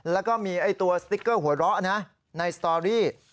แล้วก็มีตัวสติ๊กเกอร์หัวเราะนะในสตอรี่